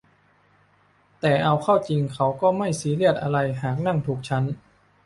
แต่เอาเข้าจริงเข้าก็ไม่ซีเรียสอะไรหากนั่งถูกชั้น